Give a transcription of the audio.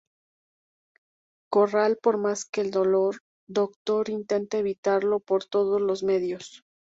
Corral, por más que el Doctor intente evitarlo por todos los medios.